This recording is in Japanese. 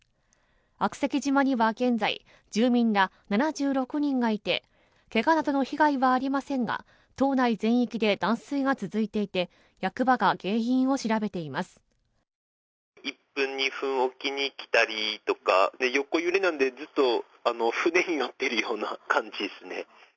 悪石島には現在、住民ら７６人がいて、けがなどの被害はありませんが、島内全域で断水が続いていて、役場が原因を調べています。